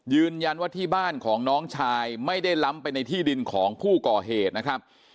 ยืนยันว่าที่บ้านของน้องชายไม่ได้ล้ำไปในที่ดินของผู้ก่อเหตุนะครับ